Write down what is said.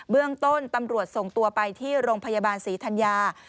เรื่องต้นตำรวจส่งตัวไปที่โรงพยาบาลศรีธัญญา